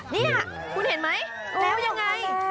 นี่คุณเห็นไหมแล้วยังไง